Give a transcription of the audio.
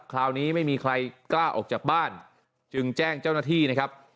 คราวนี้ไม่มีใครกล้าออกจากบ้านจึงแจ้งเจ้าหน้าที่นะครับ